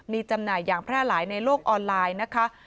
มีจำหน่ายอย่างแพร่หลายในโลกออนไลน์นะคะ